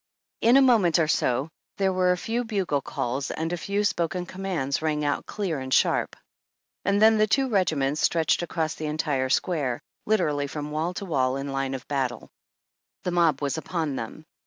In a moment or so there were a few bugle calls, and a few spoken commands rang out clear and sharp ; and then the two regiments stretched across the entire square, literally from wall to wall, in line of battle. The mob was upon them.